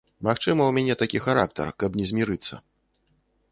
Магчыма, у мяне такі характар, каб не змірыцца.